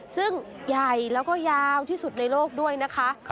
ซึ่งใหญ่แล้วก็ยาวที่สุดในโลกด้วยนะคะ